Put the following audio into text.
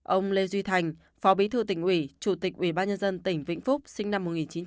ông lê duy thành phó bí thư tỉnh ủy chủ tịch ủy ban nhân dân tỉnh vĩnh phúc sinh năm một nghìn chín trăm tám mươi